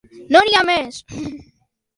No hi ha més!